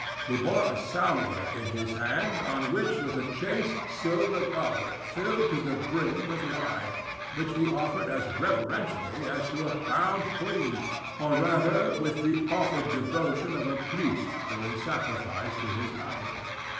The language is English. He bore a salver in his hand on which was a chased silver goblet filled to the brim with wine, which he offered as reverentially as to a crowned queen—or, rather, with the awful devotion of a priest doing sacrifice to his idol.